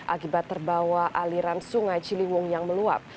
akibat terbawa aliran sungai ciliwung yang meluap